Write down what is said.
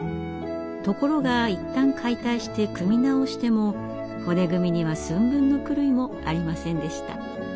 ところがいったん解体して組み直しても骨組みには寸分の狂いもありませんでした。